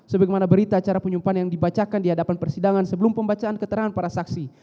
sebagaimana berita acara penyumpahan yang dibacakan dihadapan persidangan sebelum pembacaan keterangan para saksi